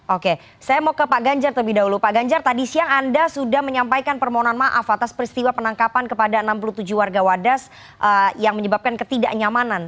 oke saya mau ke pak ganjar terlebih dahulu pak ganjar tadi siang anda sudah menyampaikan permohonan maaf atas peristiwa penangkapan kepada enam puluh tujuh warga wadas yang menyebabkan ketidaknyamanan